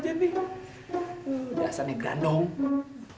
jampul asap lagi dunia